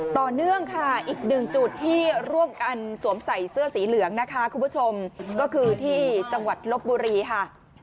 ต่อเนื่องค่ะอีกหนึ่งจุดที่ร่วมกันสวมใส่เสื้อสีเหลืองนะคะคุณผู้ชมก็คือที่จังหวัดลบบุรีค่ะ